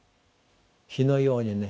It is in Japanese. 火のようにね。